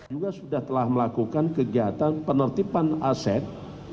juga sudah telah melakukan kegiatan penertiban aset